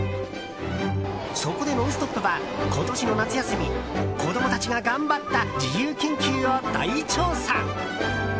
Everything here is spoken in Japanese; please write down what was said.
そこで「ノンストップ！」は今年の夏休み子供たちが頑張った自由研究を大調査。